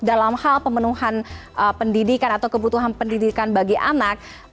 dalam hal pemenuhan pendidikan atau kebutuhan pendidikan bagi anak